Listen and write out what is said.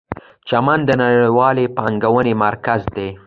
چین د نړیوالې پانګونې مرکز دی.